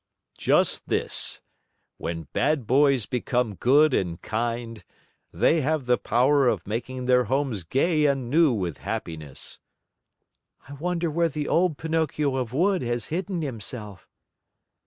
"Just this. When bad boys become good and kind, they have the power of making their homes gay and new with happiness." "I wonder where the old Pinocchio of wood has hidden himself?"